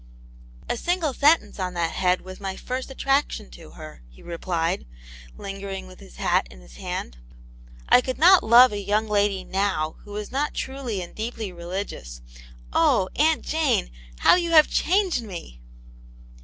"A single sentence on that head was my first attraction to her," he replied, lingering with his hati in his hand. " I could not love a young lady no2f^_ who was not truly and deeply religious. Oh, Aunt ; Jane, how you have changed me